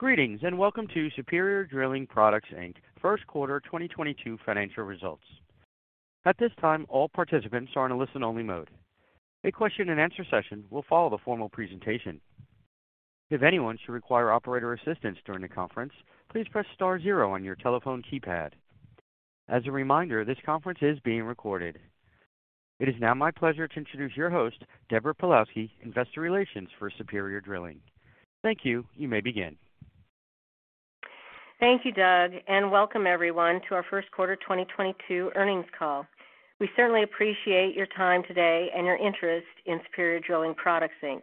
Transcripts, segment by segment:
Greetings, and welcome to Superior Drilling Products, Inc. first quarter 2022 financial results. At this time, all participants are in a listen-only mode. A question-and-answer session will follow the formal presentation. If anyone should require operator assistance during the conference, please press star zero on your telephone keypad. As a reminder, this conference is being recorded. It is now my pleasure to introduce your host, Deborah Pawlowski, Investor Relations for Superior Drilling Products, Inc. Thank you. You may begin. Thank you, Doug, and welcome everyone to our first quarter 2022 earnings call. We certainly appreciate your time today and your interest in Superior Drilling Products, Inc.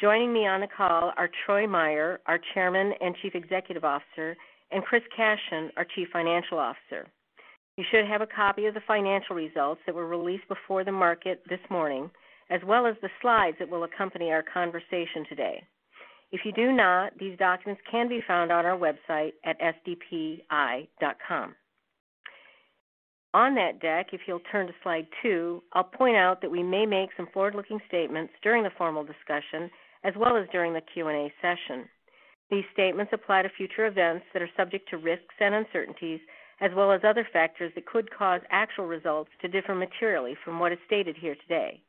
Joining me on the call are Troy Meier, our Chairman and Chief Executive Officer, and Chris Cashion, our Chief Financial Officer. You should have a copy of the financial results that were released before the market this morning, as well as the slides that will accompany our conversation today. If you do not, these documents can be found on our website at sdpi.com. On that deck, if you'll turn to slide two, I'll point out that we may make some forward-looking statements during the formal discussion as well as during the Q&A session. These statements apply to future events that are subject to risks and uncertainties as well as other factors that could cause actual results to differ materially from what is stated here today.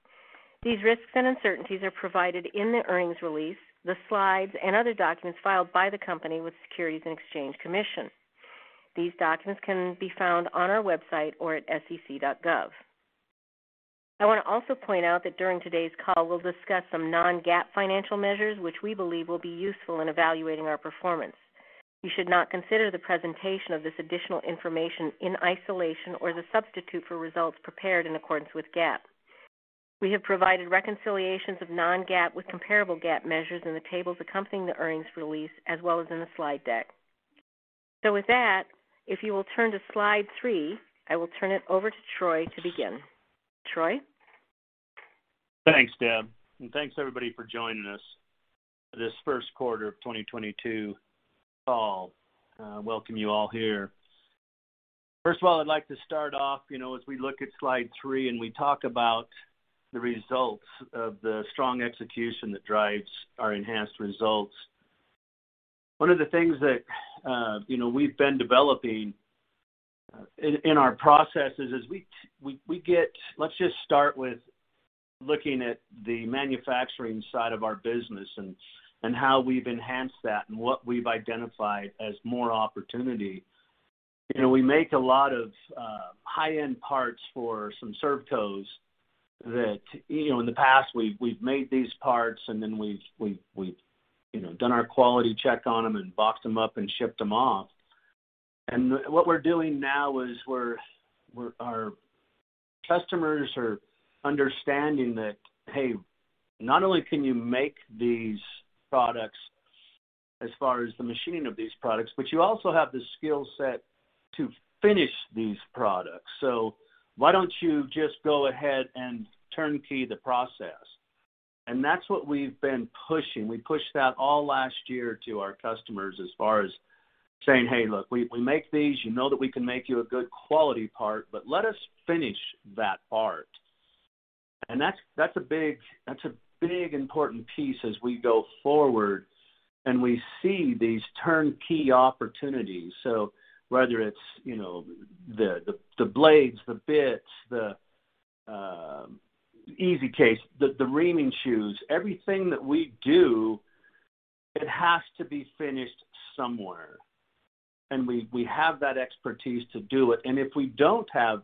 These risks and uncertainties are provided in the earnings release, the slides, and other documents filed by the company with Securities and Exchange Commission. These documents can be found on our website or at sec.gov. I want to also point out that during today's call, we'll discuss some non-GAAP financial measures, which we believe will be useful in evaluating our performance. You should not consider the presentation of this additional information in isolation or as a substitute for results prepared in accordance with GAAP. We have provided reconciliations of non-GAAP with comparable GAAP measures in the tables accompanying the earnings release as well as in the slide deck. With that, if you will turn to slide three, I will turn it over to Troy to begin. Troy? Thanks, Deborah. Thanks everybody for joining us this first quarter of 2022 call. Welcome you all here. First of all, I'd like to start off, you know, as we look at slide three and we talk about the results of the strong execution that drives our enhanced results. One of the things that, you know, we've been developing in our processes is. Let's just start with looking at the manufacturing side of our business and how we've enhanced that and what we've identified as more opportunity. You know, we make a lot of high-end parts for some servcos that, you know, in the past we've, you know, done our quality check on them and boxed them up and shipped them off. What we're doing now is our customers are understanding that, "Hey, not only can you make these products as far as the machining of these products, but you also have the skill set to finish these products. So why don't you just go ahead and turnkey the process?" That's what we've been pushing. We pushed that all last year to our customers as far as saying, "Hey, look, we make these. You know that we can make you a good quality part, but let us finish that part." That's a big important piece as we go forward, and we see these turnkey opportunities. Whether it's, you know, the blades, the bits, the EZCase, the reaming shoes, everything that we do, it has to be finished somewhere. We have that expertise to do it. If we don't have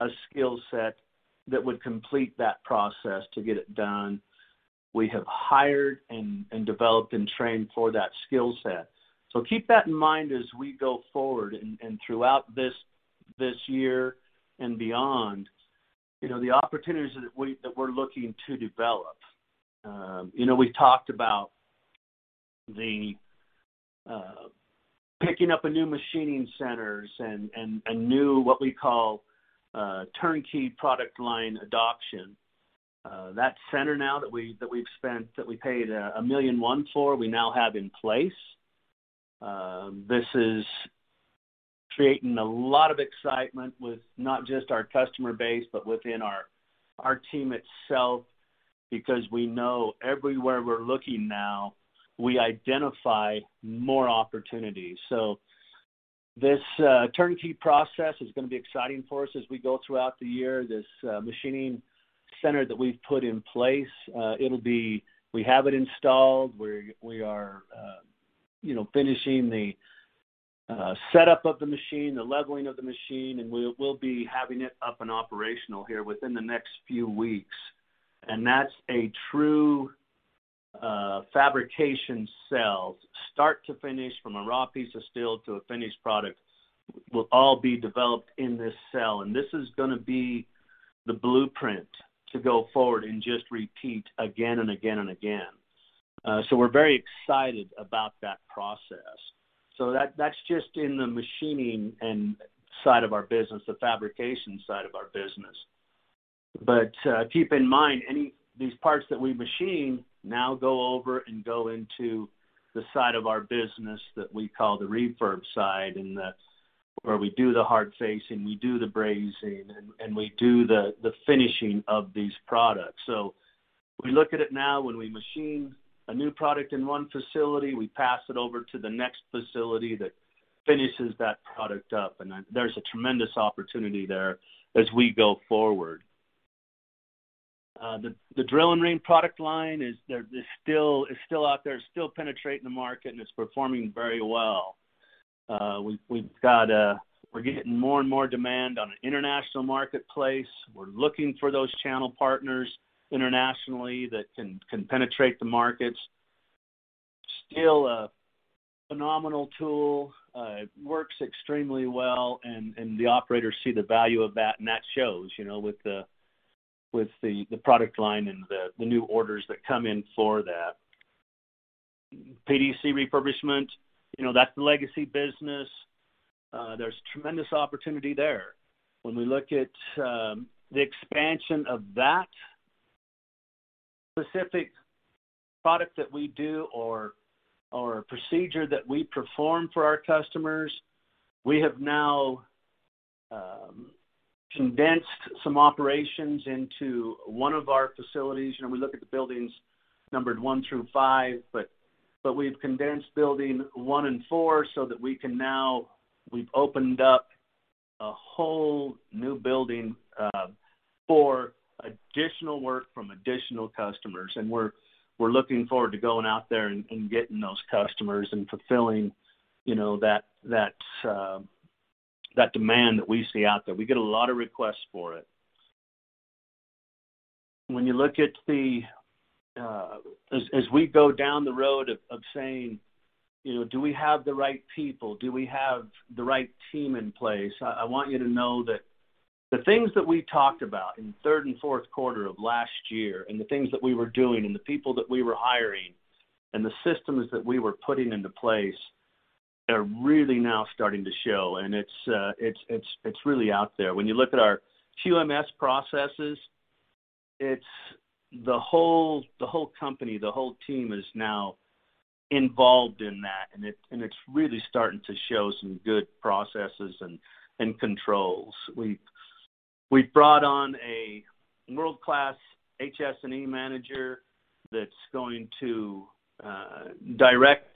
a skill set that would complete that process to get it done, we have hired and developed and trained for that skill set. Keep that in mind as we go forward and throughout this year and beyond, you know, the opportunities that we're looking to develop. You know, we've talked about picking up a new machining centers and new what we call turnkey product line adoption. This is creating a lot of excitement with not just our customer base, but within our team itself, because we know everywhere we're looking now, we identify more opportunities. This turnkey process is gonna be exciting for us as we go throughout the year. This machining center that we've put in place, we have it installed. We are finishing the setup of the machine, the leveling of the machine, and we'll be having it up and operational here within the next few weeks. That's a true fabrication cell. Start to finish from a raw piece of steel to a finished product will all be developed in this cell. This is gonna be the blueprint to go forward and just repeat again and again and again. We're very excited about that process. That's just in the machining side of our business, the fabrication side of our business. Keep in mind, these parts that we machine now go over and go into the side of our business that we call the refurb side, and that's where we do the hard facing, we do the brazing, and we do the finishing of these products. We look at it now when we machine a new product in one facility, we pass it over to the next facility that finishes that product up. There's a tremendous opportunity there as we go forward. The Drill-N-Ream product line is still out there, it's still penetrating the market, and it's performing very well. We're getting more and more demand in an international marketplace. We're looking for those channel partners internationally that can penetrate the markets. Still a phenomenal tool. It works extremely well and the operators see the value of that, and that shows, you know, with the product line and the new orders that come in for that. PDC refurbishment, you know, that's the legacy business. There's tremendous opportunity there. When we look at the expansion of that specific product that we do or procedure that we perform for our customers, we have now condensed some operations into one of our facilities. You know, we look at the buildings numbered one through five, but we've condensed building one and four so that we can now. We've opened up a whole new building for additional work from additional customers. We're looking forward to going out there and getting those customers and fulfilling, you know, that demand that we see out there. We get a lot of requests for it. When you look at as we go down the road of saying, you know, "Do we have the right people? Do we have the right team in place?" I want you to know that the things that we talked about in third and fourth quarter of last year, and the things that we were doing, and the people that we were hiring, and the systems that we were putting into place are really now starting to show. It's really out there. When you look at our QMS processes, it's the whole company, the whole team is now involved in that, and it's really starting to show some good processes and controls. We've brought on a world-class HS&E manager that's going to direct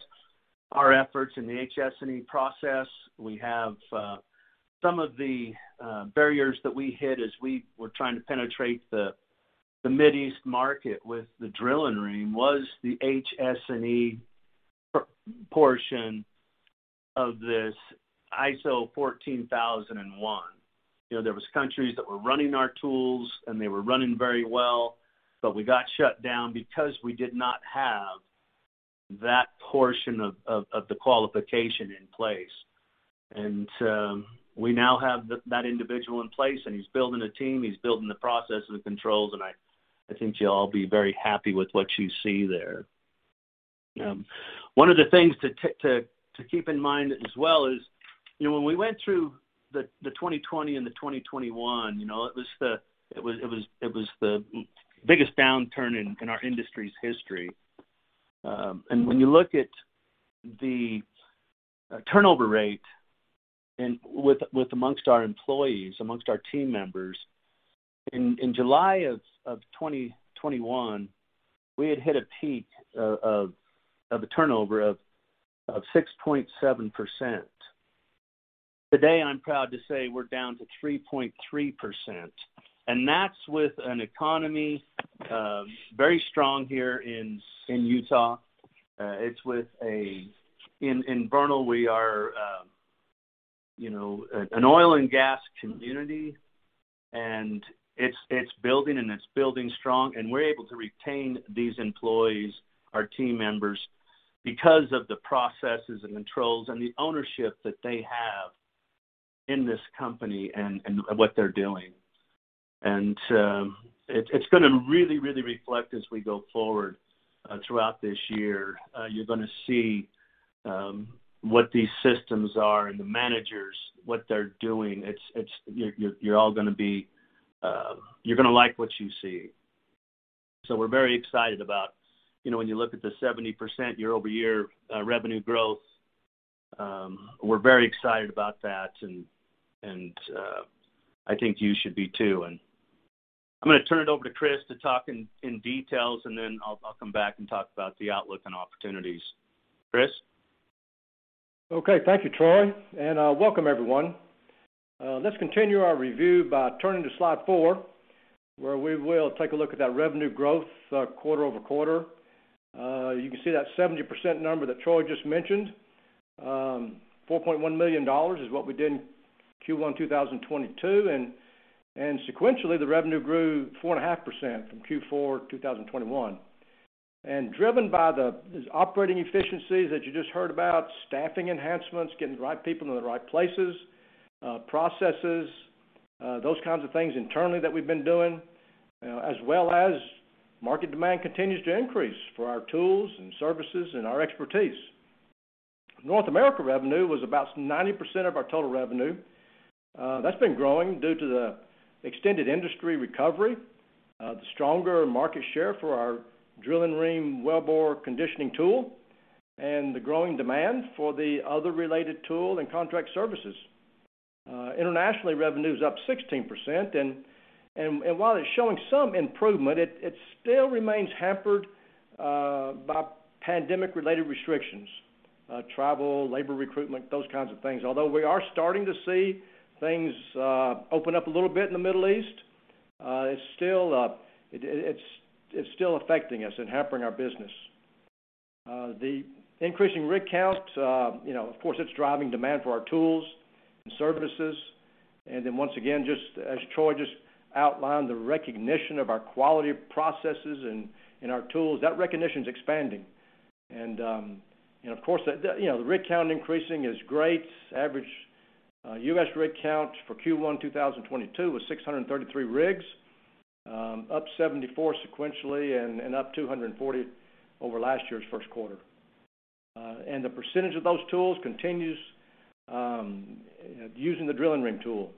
our efforts in the HS&E process. We have some of the barriers that we hit as we were trying to penetrate the Middle East market with the Drill-N-Ream was the HS&E portion of this ISO 14001. You know, there was countries that were running our tools, and they were running very well, but we got shut down because we did not have that portion of the qualification in place. We now have that individual in place, and he's building a team, he's building the process and the controls, and I think you'll all be very happy with what you see there. One of the things to keep in mind as well is, you know, when we went through the 2020 and the 2021, you know, it was the biggest downturn in our industry's history. When you look at the turnover rate with amongst our employees, amongst our team members, in July of 2021, we had hit a peak of a turnover of 6.7%. Today, I'm proud to say we're down to 3.3%, and that's with an economy very strong here in Utah. It's with in Vernal, we are, you know, an oil and gas community, and it's building strong. We're able to retain these employees, our team members because of the processes and controls and the ownership that they have in this company and what they're doing. It's gonna really reflect as we go forward throughout this year. You're gonna see what these systems are and the managers, what they're doing. You're gonna like what you see. We're very excited about, you know, when you look at the 70% year-over-year revenue growth, we're very excited about that and I think you should be too. I'm gonna turn it over to Chris to talk in details, and then I'll come back and talk about the outlook and opportunities. Chris? Okay. Thank you, Troy. Welcome everyone. Let's continue our review by turning to slide four, where we will take a look at that revenue growth, quarter-over-quarter. You can see that 70% number that Troy just mentioned. $4.1 million is what we did in Q1 2022, and sequentially, the revenue grew 4.5% from Q4 2021. Driven by the operating efficiencies that you just heard about, staffing enhancements, getting the right people in the right places, processes, those kinds of things internally that we've been doing, as well as market demand continues to increase for our tools and services and our expertise. North America revenue was about 90% of our total revenue. That's been growing due to the extended industry recovery, the stronger market share for our Drill-N-Ream wellbore conditioning tool, and the growing demand for the other related tool and contract services. Internationally, revenue is up 16%, and while it's showing some improvement, it still remains hampered by pandemic-related restrictions, travel, labor recruitment, those kinds of things. Although we are starting to see things open up a little bit in the Middle East, it's still affecting us and hampering our business. The increasing rig counts, you know, of course, it's driving demand for our tools and services. Once again, just as Troy just outlined, the recognition of our quality of processes and our tools, that recognition is expanding. Of course, you know, the rig count increasing is great. Average US rig count for Q1 2022 was 633 rigs, up 74 sequentially and up 240 over last year's first quarter. The percentage of those tools continues using the Drill-N-Ream tool.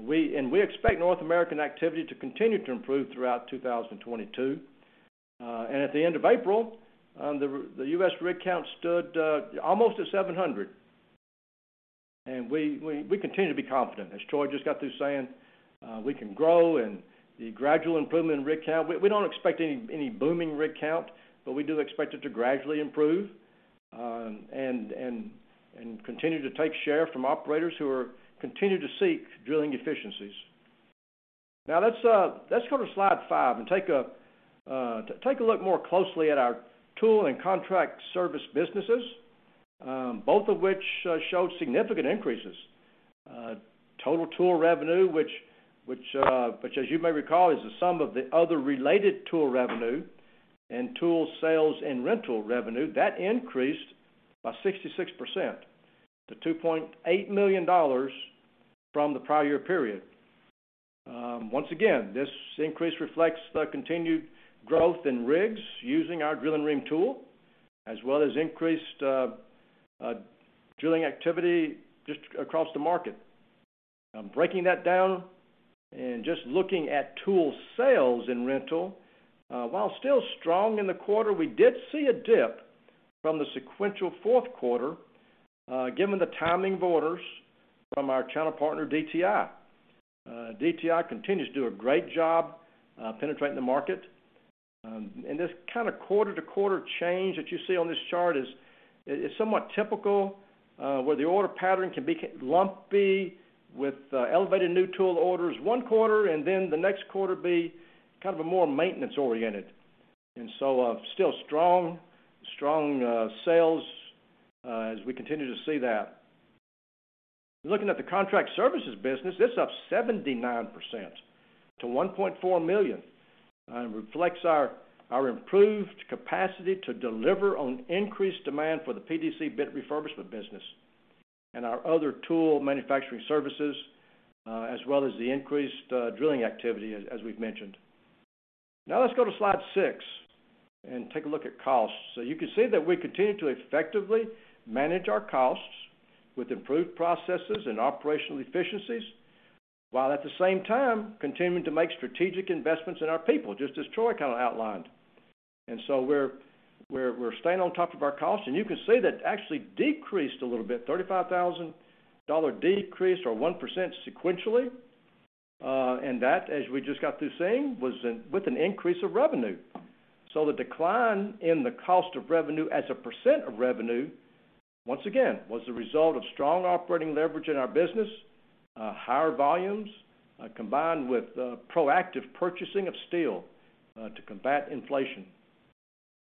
We expect North American activity to continue to improve throughout 2022. At the end of April, the US rig count stood almost at 700. We continue to be confident. As Troy just got through saying, we can grow and the gradual improvement in rig count. We don't expect any booming rig count, but we do expect it to gradually improve and continue to take share from operators who continue to seek drilling efficiencies. Now let's go to slide five and take a look more closely at our tool and contract service businesses, both of which showed significant increases. Total tool revenue, which as you may recall, is the sum of the other related tool revenue and tool sales and rental revenue, that increased by 66% to $2.8 million from the prior year period. Once again, this increase reflects the continued growth in rigs using our drilling ream tool, as well as increased drilling activity just across the market. Breaking that down and just looking at tool sales and rental, while still strong in the quarter, we did see a dip from the sequential fourth quarter, given the timing of orders from our channel partner DTI. DTI continues to do a great job penetrating the market. This kind of quarter-to-quarter change that you see on this chart is somewhat typical where the order pattern can be lumpy with elevated new tool orders one quarter and then the next quarter be kind of a more maintenance-oriented. Still strong sales as we continue to see that. Looking at the contract services business, it's up 79% to $1.4 million. It reflects our improved capacity to deliver on increased demand for the PDC bit refurbishment business and our other tool manufacturing services as well as the increased drilling activity as we've mentioned. Now let's go to slide 6 and take a look at costs. You can see that we continue to effectively manage our costs with improved processes and operational efficiencies, while at the same time continuing to make strategic investments in our people, just as Troy kind of outlined. We're staying on top of our costs, and you can see that actually decreased a little bit, $35,000 decrease or 1% sequentially. That, as we just got through saying, was with an increase of revenue. The decline in the cost of revenue as a percent of revenue, once again, was the result of strong operating leverage in our business, higher volumes, combined with proactive purchasing of steel to combat inflation.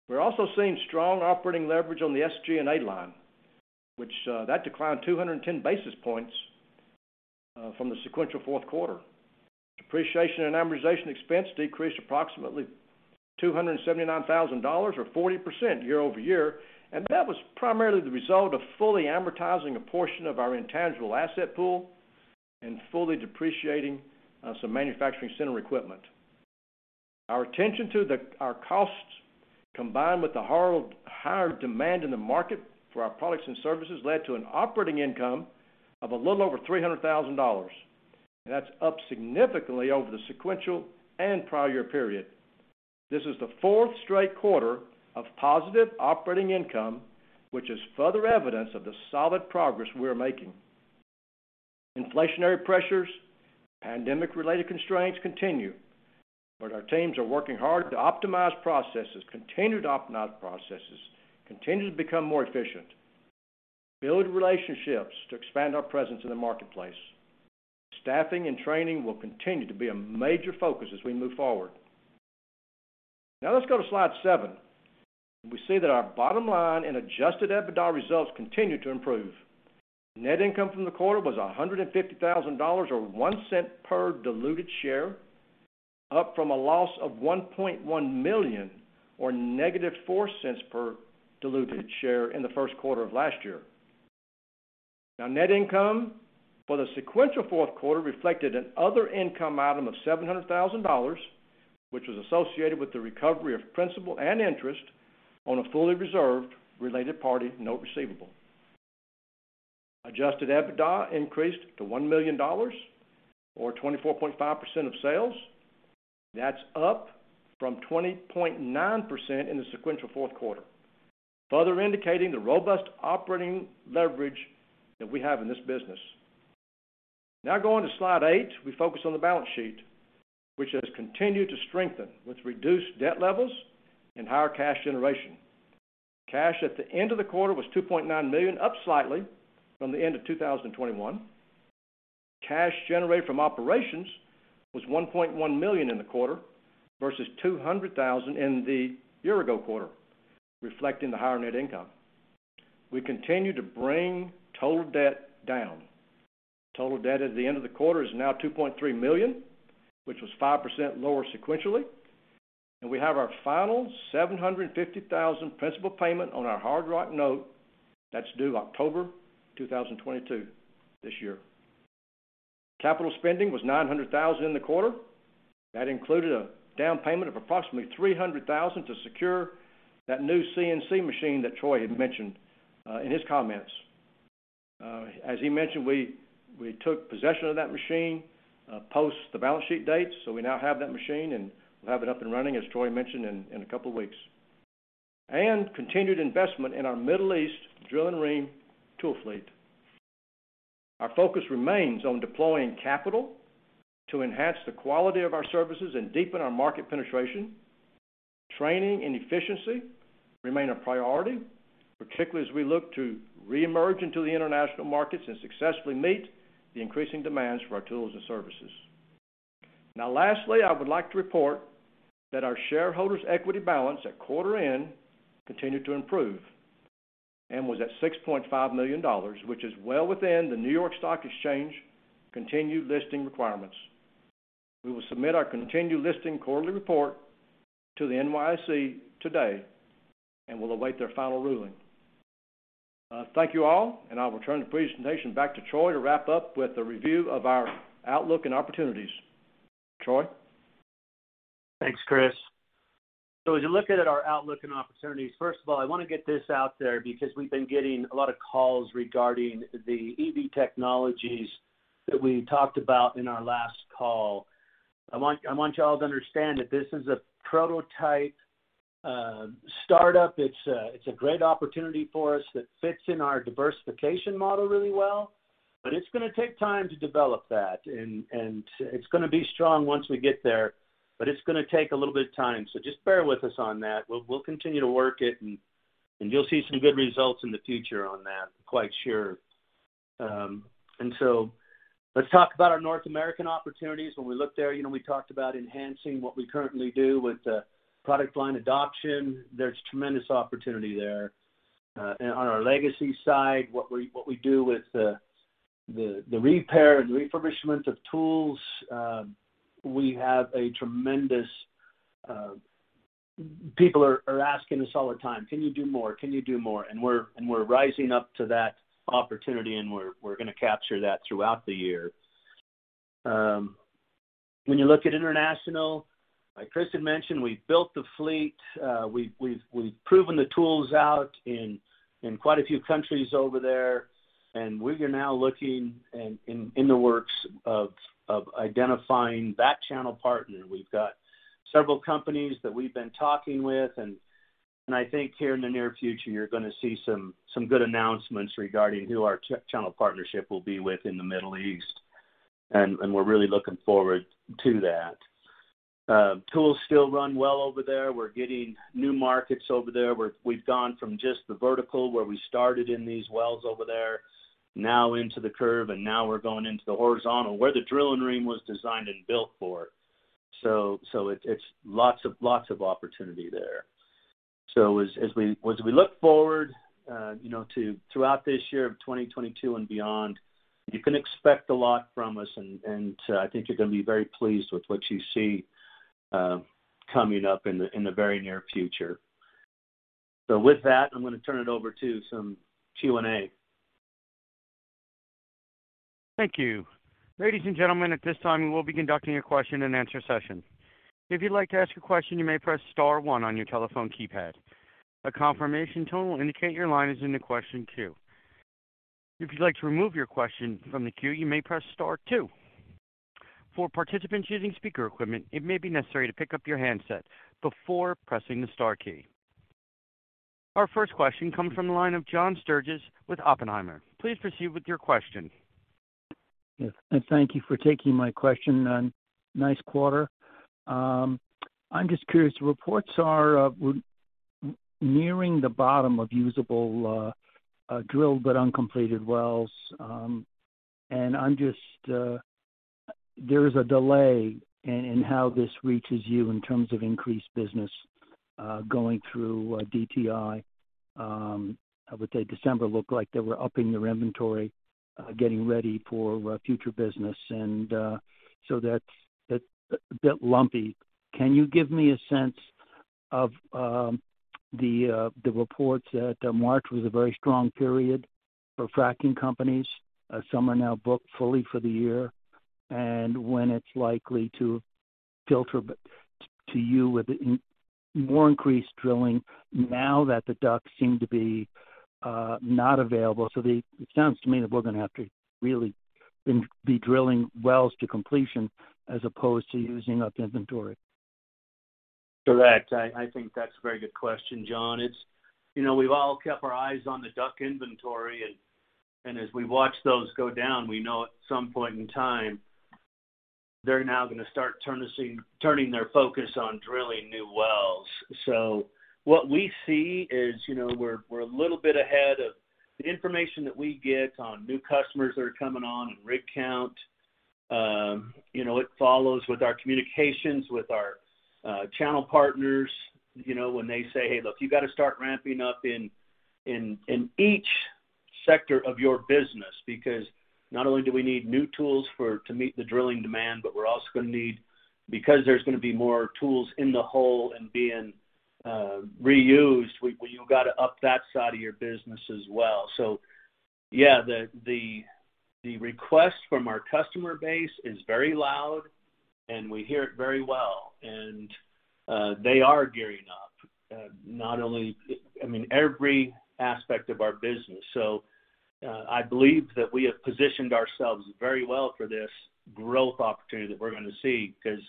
We're also seeing strong operating leverage on the SG&A line, which that declined 210 basis points from the sequential fourth quarter. Depreciation and amortization expense decreased approximately $279,000 or 40% year-over-year, and that was primarily the result of fully amortizing a portion of our intangible asset pool and fully depreciating some manufacturing center equipment. Our attention to our costs, combined with the higher demand in the market for our products and services, led to an operating income of a little over $300,000. That's up significantly over the sequential and prior year period. This is the fourth straight quarter of positive operating income, which is further evidence of the solid progress we're making. Inflationary pressures, pandemic-related constraints continue, but our teams are working hard to optimize processes, continue to become more efficient, build relationships to expand our presence in the marketplace. Staffing and training will continue to be a major focus as we move forward. Now let's go to slide seven, and we see that our bottom line and Adjusted EBITDA results continue to improve. Net income from the quarter was $150,000 or $0.01 per diluted share, up from a loss of $1.1 million or -$0.04 per diluted share in the first quarter of last year. Now, net income for the sequential fourth quarter reflected an other income item of $700,000, which was associated with the recovery of principal and interest on a fully reserved related party note receivable. Adjusted EBITDA increased to $1 million or 24.5% of sales. That's up from 20.9% in the sequential fourth quarter, further indicating the robust operating leverage that we have in this business. Now going to slide eight, we focus on the balance sheet, which has continued to strengthen with reduced debt levels and higher cash generation. Cash at the end of the quarter was $2.9 million, up slightly from the end of 2021. Cash generated from operations was $1.1 million in the quarter versus $200,000 in the year ago quarter, reflecting the higher net income. We continue to bring total debt down. Total debt at the end of the quarter is now $2.3 million, which was 5% lower sequentially. We have our final $750,000 principal payment on our Hard Rock Note that's due October 2022, this year. Capital spending was $900,000 in the quarter. That included a down payment of approximately $300,000 to secure that new CNC machine that Troy had mentioned in his comments. As he mentioned, we took possession of that machine post the balance sheet date. We now have that machine, and we'll have it up and running, as Troy mentioned, in a couple weeks. Continued investment in our Middle East Drill-N-Ream tool fleet. Our focus remains on deploying capital to enhance the quality of our services and deepen our market penetration. Training and efficiency remain a priority, particularly as we look to reemerge into the international markets and successfully meet the increasing demands for our tools and services. Now, lastly, I would like to report that our shareholders' equity balance at quarter end continued to improve and was at $6.5 million, which is well within the New York Stock Exchange continued listing requirements. We will submit our continued listing quarterly report to the NYSE today, and we'll await their final ruling. Thank you all, and I will turn the presentation back to Troy to wrap up with a review of our outlook and opportunities. Troy? Thanks, Chris. As you look at our outlook and opportunities, first of all, I wanna get this out there because we've been getting a lot of calls regarding the EV technologies that we talked about in our last call. I want you all to understand that this is a prototype startup. It's a great opportunity for us that fits in our diversification model really well, but it's gonna take time to develop that. It's gonna be strong once we get there, but it's gonna take a little bit of time. Just bear with us on that. We'll continue to work it, and you'll see some good results in the future on that, I'm quite sure. Let's talk about our North American opportunities. When we look there, you know, we talked about enhancing what we currently do with product line adoption. There's tremendous opportunity there. On our legacy side, what we do with the repair and refurbishment of tools, we have a tremendous. People are asking us all the time, "Can you do more? Can you do more?" We're rising up to that opportunity, and we're gonna capture that throughout the year. When you look at international, like Chris had mentioned, we've built the fleet. We've proven the tools out in quite a few countries over there, and we are now looking and in the works of identifying that channel partner. We've got several companies that we've been talking with and I think here in the near future you're gonna see some good announcements regarding who our channel partnership will be with in the Middle East. We're really looking forward to that. Tools still run well over there. We're getting new markets over there. We've gone from just the vertical where we started in these wells over there, now into the curve, and now we're going into the horizontal where the Drill-N-Ream was designed and built for. It's lots of opportunity there. As we look forward, you know, to throughout this year of 2022 and beyond, you can expect a lot from us and, I think you're gonna be very pleased with what you see, coming up in the very near future. With that, I'm gonna turn it over to some Q&A. Thank you. Ladies and gentlemen, at this time, we will be conducting a question and answer session. If you'd like to ask a question, you may press star one on your telephone keypad. A confirmation tone will indicate your line is in the question queue. If you'd like to remove your question from the queue, you may press star two. For participants using speaker equipment, it may be necessary to pick up your handset before pressing the star key. Our first question comes from the line of John Sturges with Oppenheimer. Please proceed with your question. Yes, thank you for taking my question, nice quarter. I'm just curious. Reports are, we're nearing the bottom of usable drilled but uncompleted wells. I'm just. There is a delay in how this reaches you in terms of increased business going through DTI. I would say December looked like they were upping their inventory, getting ready for future business. That's a bit lumpy. Can you give me a sense of the reports that March was a very strong period for fracking companies. Some are now booked fully for the year, and when it's likely to filter back to you with the more increased drilling now that the DUC seem to be not available. It sounds to me that we're gonna have to really be drilling wells to completion as opposed to using up inventory. Correct. I think that's a very good question, John. It's, you know, we've all kept our eyes on the DUC inventory, and as we watch those go down, we know at some point in time, they're now gonna start turning their focus on drilling new wells. What we see is, you know, we're a little bit ahead of the information that we get on new customers that are coming on and rig count. You know, it follows with our communications with our channel partners. You know, when they say, "Hey, look, you gotta start ramping up in each sector of your business because not only do we need new tools to meet the drilling demand, but we're also gonna need... Because there's gonna be more tools in the hole and being reused, you gotta up that side of your business as well. Yeah, the request from our customer base is very loud, and we hear it very well. They are gearing up, not only, I mean, every aspect of our business. I believe that we have positioned ourselves very well for this growth opportunity that we're gonna see because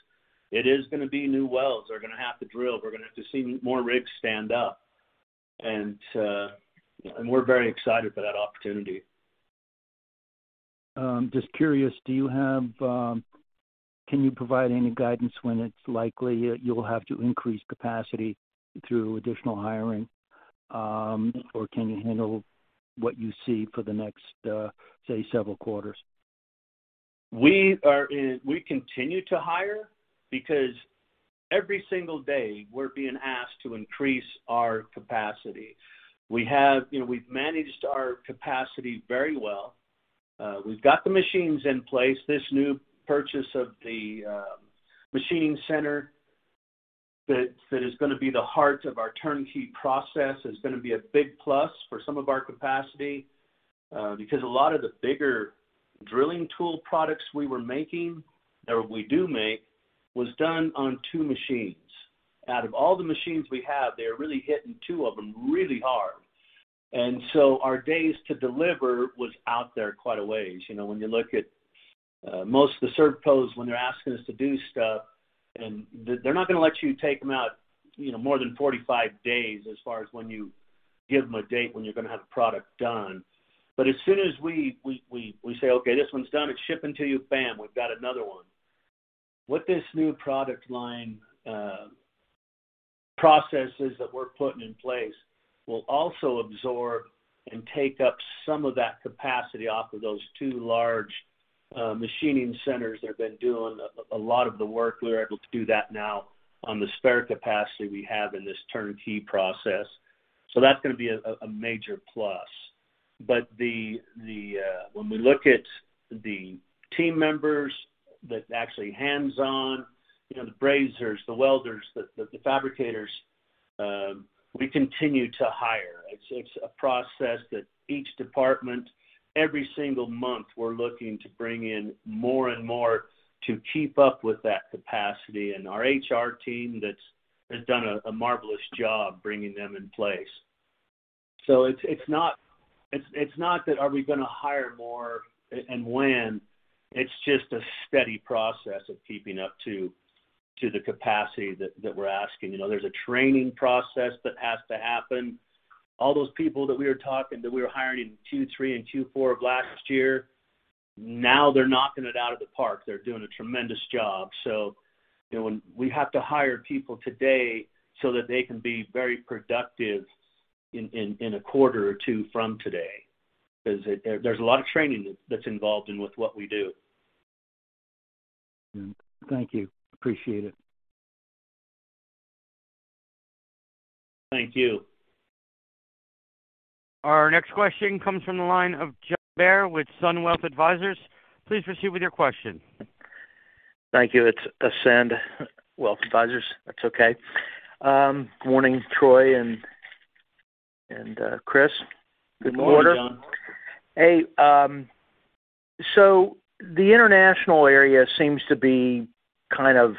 it is gonna be new wells they're gonna have to drill. We're gonna have to see more rigs stand up. We're very excited for that opportunity. Just curious, can you provide any guidance when it's likely you'll have to increase capacity through additional hiring, or can you handle what you see for the next, say, several quarters? We continue to hire because every single day we're being asked to increase our capacity. We have. You know, we've managed our capacity very well. We've got the machines in place. This new purchase of the machining center that is gonna be the heart of our turnkey process is gonna be a big plus for some of our capacity because a lot of the bigger drilling tool products we were making, or we do make, was done on two machines. Out of all the machines we have, they're really hitting two of them really hard. Our days to deliver was out there quite a ways. You know, when you look at most of the servcos, when they're asking us to do stuff, and they're not gonna let you take them out, you know, more than 45 days as far as when you give them a date when you're gonna have the product done. As soon as we say, "Okay, this one's done. It's shipping to you," bam, we've got another one. With this new product line, processes that we're putting in place will also absorb and take up some of that capacity off of those two large machining centers that have been doing a lot of the work. We're able to do that now on the spare capacity we have in this turnkey process. That's gonna be a major plus. The When we look at the team members that actually hands-on, you know, the brazers, the welders, the fabricators, we continue to hire. It's a process that each department, every single month, we're looking to bring in more and more to keep up with that capacity. Our HR team that has done a marvelous job bringing them in place. It's not that are we gonna hire more and when, it's just a steady process of keeping up to the capacity that we're asking. You know, there's a training process that has to happen. All those people that we were hiring in Q3 and Q4 of last year, now they're knocking it out of the park. They're doing a tremendous job. You know, when we have to hire people today so that they can be very productive in a quarter or two from today. Because there's a lot of training that's involved with what we do. Thank you. Appreciate it. Thank you. Our next question comes from the line of John Bair with Ascend Wealth Advisors. Please proceed with your question. Thank you. It's Ascend Wealth Advisors. That's okay. Good morning, Troy and Chris. Good morning, John. Good quarter. Hey, the international area seems to be kind of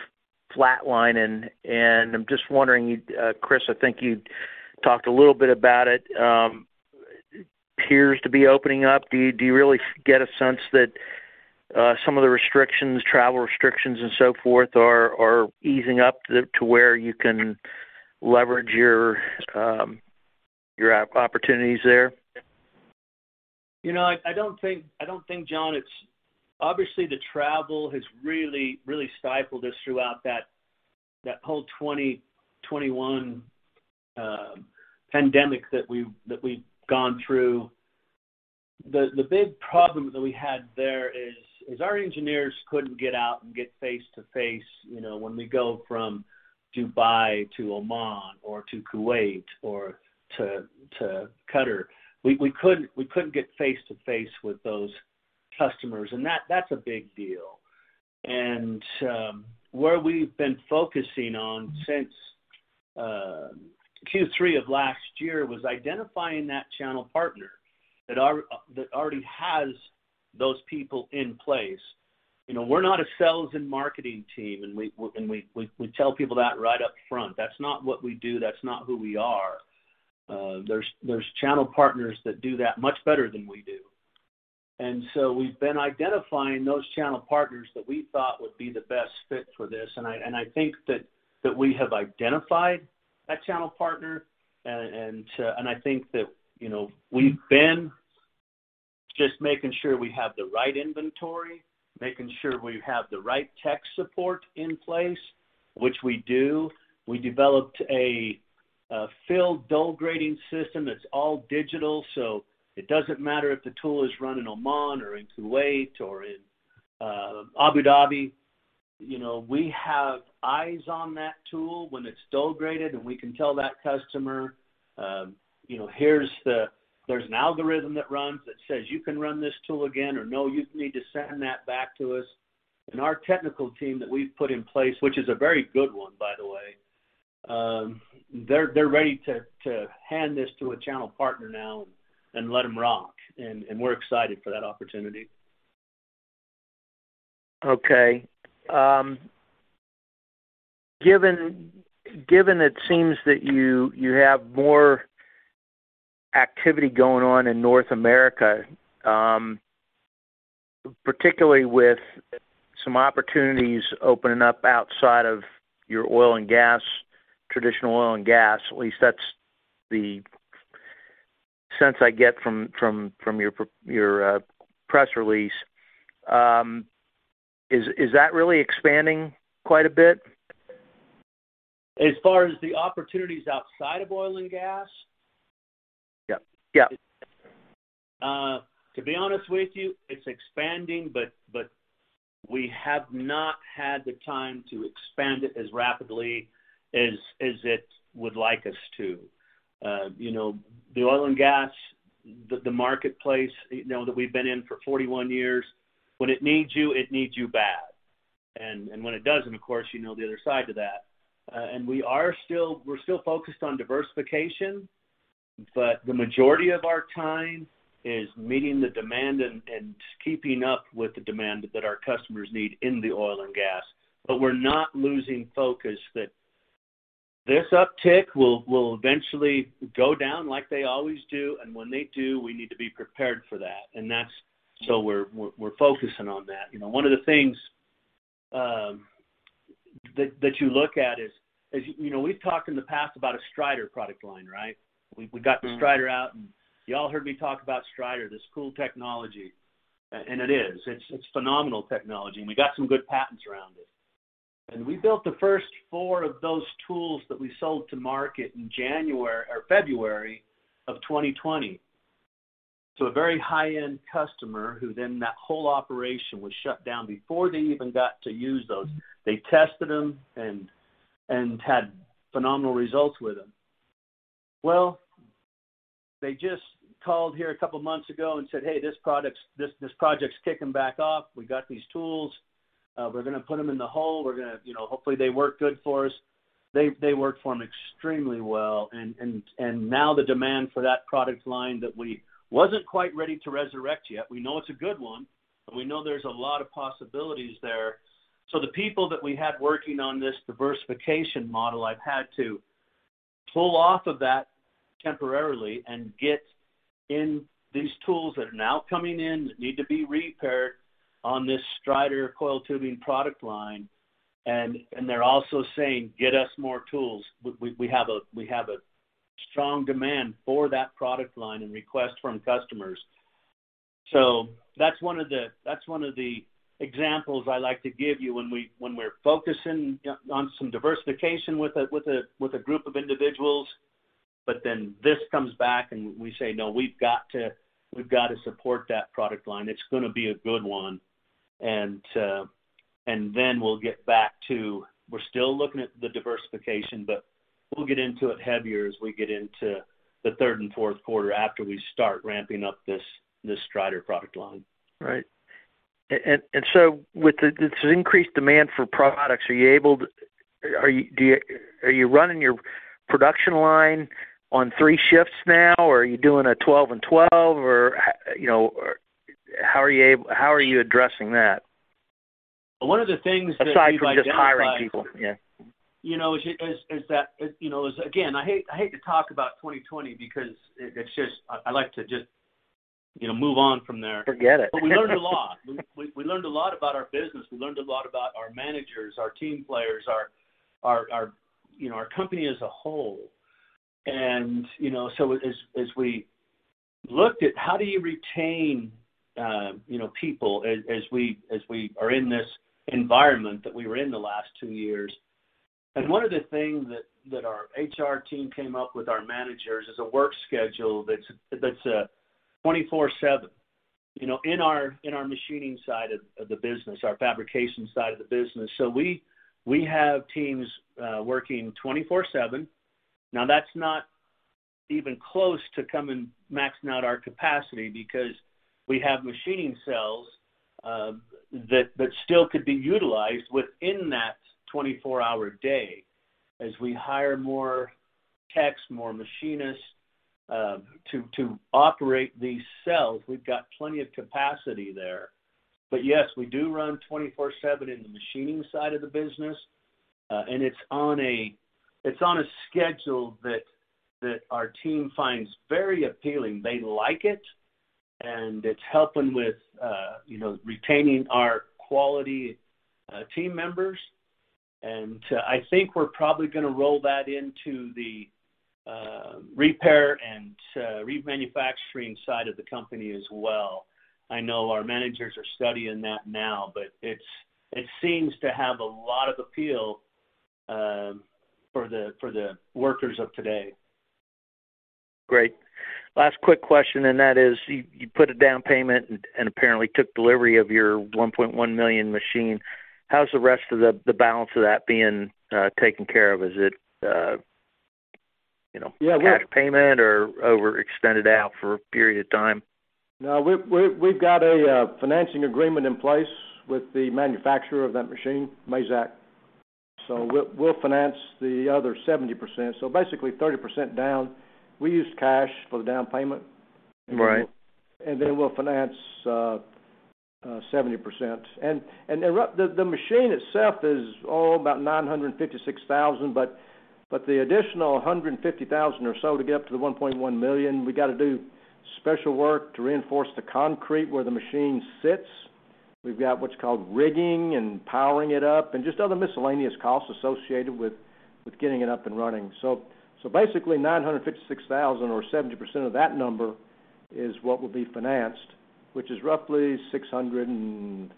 flatlining, and I'm just wondering, Chris, I think you talked a little bit about it, appears to be opening up. Do you really get a sense that some of the restrictions, travel restrictions and so forth are easing up to where you can leverage your opportunities there? You know, I don't think, John, it's obviously the travel has really stifled us throughout that whole 2021 pandemic that we've gone through. The big problem that we had there is our engineers couldn't get out and get face-to-face. You know, when we go from Dubai to Oman or to Kuwait or to Qatar, we couldn't get face-to-face with those customers, and that's a big deal. Where we've been focusing on since Q3 of last year was identifying that channel partner that already has those people in place. You know, we're not a sales and marketing team, and we tell people that right up front. That's not what we do. That's not who we are. There's channel partners that do that much better than we do. We've been identifying those channel partners that we thought would be the best fit for this. I think that we have identified that channel partner. I think that, you know, we've been just making sure we have the right inventory, making sure we have the right tech support in place, which we do. We developed a field dull grading system that's all digital, so it doesn't matter if the tool is run in Oman or in Kuwait or in Abu Dhabi. You know, we have eyes on that tool when it's dull graded, and we can tell that customer, you know, there's an algorithm that runs that says, "You can run this tool again," or, "No, you need to send that back to us." Our technical team that we've put in place, which is a very good one, by the way, they're ready to hand this to a channel partner now and let them rock. We're excited for that opportunity. Okay. Given it seems that you have more activity going on in North America, particularly with some opportunities opening up outside of your oil and gas, traditional oil and gas, at least that's the sense I get from your press release, is that really expanding quite a bit? As far as the opportunities outside of oil and gas? Yep. Yeah. To be honest with you, it's expanding, but we have not had the time to expand it as rapidly as it would like us to. You know, the oil and gas marketplace, you know, that we've been in for 41 years, when it needs you, it needs you bad. And when it doesn't, of course, you know the other side to that. We're still focused on diversification, but the majority of our time is meeting the demand and keeping up with the demand that our customers need in the oil and gas. But we're not losing focus that this uptick will eventually go down like they always do. And when they do, we need to be prepared for that. So we're focusing on that. You know, one of the things that you look at is, you know, we've talked in the past about a Strider product line, right? We got- Mm-hmm. The Strider out, y'all heard me talk about Strider, this cool technology. It is. It's phenomenal technology, and we got some good patents around it. We built the first four of those tools that we sold to market in January or February of 2020. To a very high-end customer who then that whole operation was shut down before they even got to use those. They tested them and had phenomenal results with them. Well, they just called here a couple of months ago and said, "Hey, this project's kicking back off. We got these tools. We're gonna put them in the hole. We're gonna, you know, hopefully, they work good for us." They worked for them extremely well. Now the demand for that product line that we wasn't quite ready to resurrect yet. We know it's a good one, and we know there's a lot of possibilities there. The people that we had working on this diversification model, I've had to pull off of that temporarily and get in these tools that are now coming in that need to be repaired on this Strider coiled tubing product line. They're also saying, "Get us more tools. We have a strong demand for that product line and request from customers." That's one of the examples I like to give you when we're focusing on some diversification with a group of individuals. Then this comes back, and we say, "No, we've got to support that product line. It's gonna be a good one. Then we'll get back to, we're still looking at the diversification, but we'll get into it heavier as we get into the third and fourth quarter after we start ramping up this Strider product line. Right. With this increased demand for products, are you running your production line on three shifts now, or are you doing a 12 and 12? Or, you know, how are you addressing that? One of the things that we've identified. Aside from just hiring people. Yeah. You know, it's that again, I hate to talk about 2020 because it's just, I like to just, you know, move on from there. Forget it. We learned a lot. We learned a lot about our business. We learned a lot about our managers, our team players, you know, our company as a whole. You know, so as we looked at how do you retain, you know, people as we are in this environment that we were in the last two years. One of the things that our HR team came up with our managers is a work schedule that's a 24/7, you know, in our machining side of the business, our fabrication side of the business. We have teams working 24/7. Now, that's not even close to maxing out our capacity because we have machining cells that still could be utilized within that 24-hour day as we hire more techs, more machinists to operate these cells. We've got plenty of capacity there. Yes, we do run 24/7 in the machining side of the business. It's on a schedule that our team finds very appealing. They like it, and it's helping with you know, retaining our quality team members. I think we're probably gonna roll that into the repair and remanufacturing side of the company as well. I know our managers are studying that now, but it seems to have a lot of appeal for the workers of today. Great. Last quick question, and that is you put a down payment and apparently took delivery of your $1.1 million machine. How's the rest of the balance of that being taken care of? Is it, you know, cash payment or over extended out for a period of time? No, we've got a financing agreement in place with the manufacturer of that machine, Mazak. We'll finance the other 70%. Basically 30% down. We used cash for the down payment. Right. We'll finance 70%. The machine itself is about $956,000, but the additional $150,000 or so to get up to $1.1 million, we got to do special work to reinforce the concrete where the machine sits. We've got what's called rigging and powering it up, and just other miscellaneous costs associated with getting it up and running. Basically $956,000 or 70% of that number is what will be financed, which is roughly $650,000-$660,000.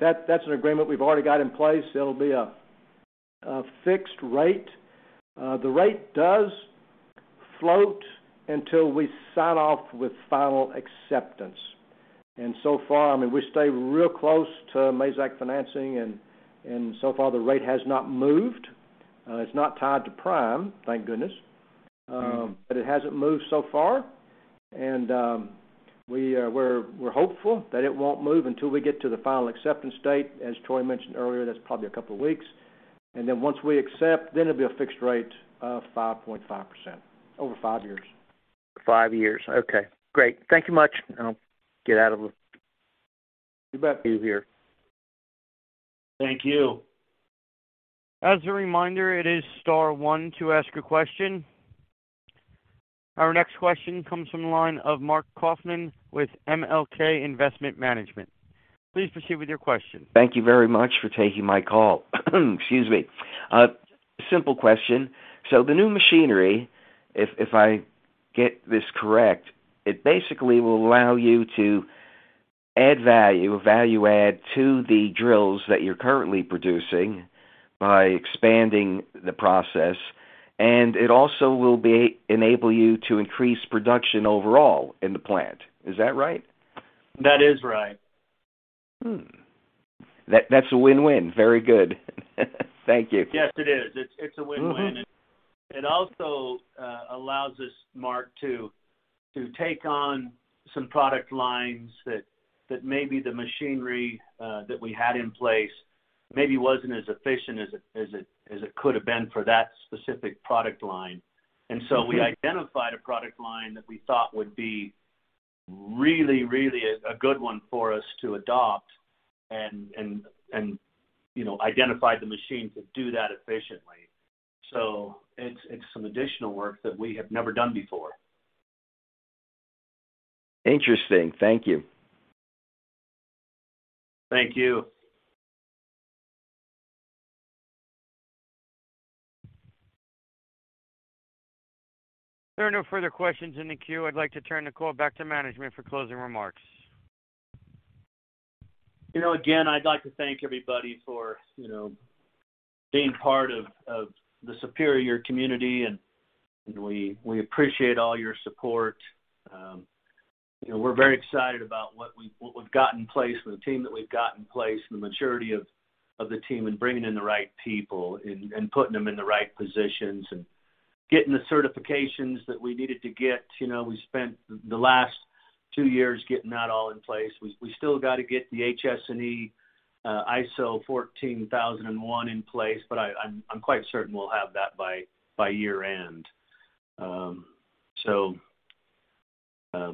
That's an agreement we've already got in place. It'll be a fixed rate. The rate does float until we sign off with final acceptance. So far, I mean, we stay real close to Mazak financing, and so far, the rate has not moved. It's not tied to Prime, thank goodness. It hasn't moved so far. We're hopeful that it won't move until we get to the final acceptance date. As Troy mentioned earlier, that's probably a couple of weeks. Once we accept, it'll be a fixed rate of 5.5% over five years. Five years. Okay, great. Thank you much. I'll get out of here. You bet. Thank you. As a reminder, it is star one to ask a question. Our next question comes from the line of Mark Kaufman with MLK Investment Management. Please proceed with your question. Thank you very much for taking my call. Excuse me. A simple question. The new machinery, if I get this correct, it basically will allow you to add value, a value add to the drills that you're currently producing by expanding the process, and it also will enable you to increase production overall in the plant. Is that right? That is right. That's a win-win. Very good. Thank you. Yes, it is. It's a win-win. It also allows us, Mark, to take on some product lines that maybe the machinery that we had in place maybe wasn't as efficient as it could have been for that specific product line. We identified a product line that we thought would be really a good one for us to adopt and you know, identify the machine to do that efficiently. It's some additional work that we have never done before. Interesting. Thank you. Thank you. If there are no further questions in the queue, I'd like to turn the call back to management for closing remarks. You know, again, I'd like to thank everybody for, you know, being part of the Superior community, and we appreciate all your support. You know, we're very excited about what we've got in place with the team that we've got in place and the maturity of the team and bringing in the right people and putting them in the right positions and getting the certifications that we needed to get. You know, we spent the last two years getting that all in place. We still got to get the HS&E, ISO 14001 in place, but I'm quite certain we'll have that by year-end.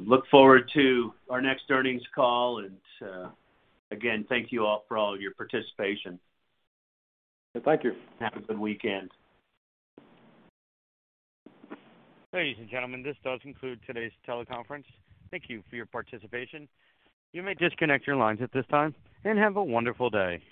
Look forward to our next earnings call. Again, thank you all for all your participation. Thank you. Have a good weekend. Ladies and gentlemen, this does conclude today's teleconference. Thank you for your participation. You may disconnect your lines at this time, and have a wonderful day.